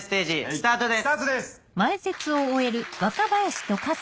スタートです！